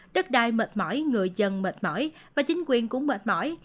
đất đai mệt mỏi người dân mệt mỏi và chính quyền cũng mệt mỏi